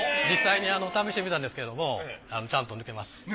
実際に試してみたんですけどもちゃんと抜けます。